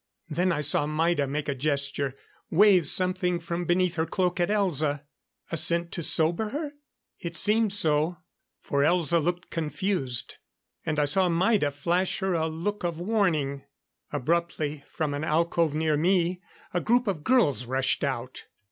Then I saw Maida make a gesture wave something from beneath her cloak at Elza. A scent to sober her? It seemed so, for Elza looked confused; and I saw Maida flash her a look of warning. Abruptly, from an alcove near me, a group of girls rushed out.